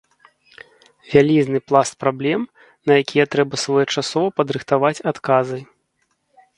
Вялізны пласт праблем, на якія трэба своечасова падрыхтаваць адказы.